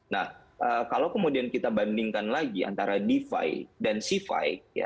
nah kalau kemudian kita bandingkan lagi antara defi dan si fi